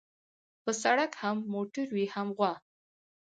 په سړک هم موټر وي هم غوا.